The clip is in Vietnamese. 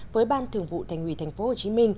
với ban thường vụ thành hủy tp hcm